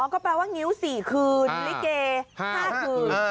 อ๋อก็แปลว่างิ้วสี่คืนริเกห้าคืน